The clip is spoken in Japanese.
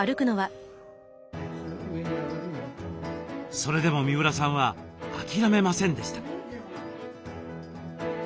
それでも三浦さんは諦めませんでした。